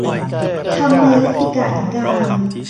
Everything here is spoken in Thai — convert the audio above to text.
ธรรมยุติกนิกาย